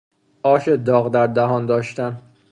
آش داغ در دهان داشتن